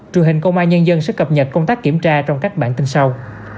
truyền hình công an nhân dân sẽ cập nhật công tác kiểm tra trong các bản tin sau